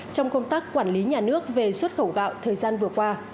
trong công tác quản lý nhà nước về xuất khẩu gạo thời gian vừa qua